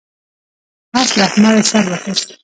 اس له احمده سر واخيست.